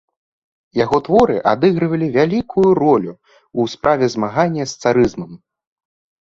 Яго творы адыгрывалі вялікую ролю ў справе змагання з царызмам.